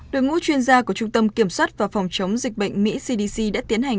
đội ngũ chuyên gia của trung tâm kiểm soát và phòng chống dịch bệnh mỹ cdc đã tiến hành